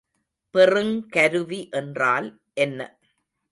பெறுங்கருவி என்றால் என்ன?